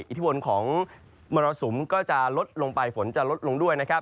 อิทธิวนของประสุนก็จะลดลงไปฝนจะลดลงด้วย